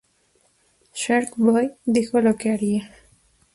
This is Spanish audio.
Shark Boy dijo que lo haría.